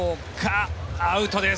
アウトです。